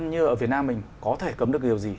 như ở việt nam mình có thể cấm được điều gì